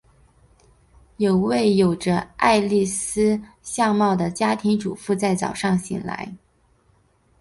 有位有着艾莉丝样貌的家庭主妇在早上醒来。